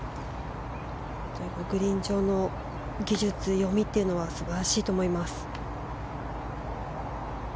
グリーン上の技術読みというのは素晴らしいと思います。